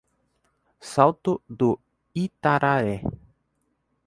Salto do Itararé